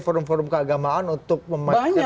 forum forum keagamaan untuk mematikan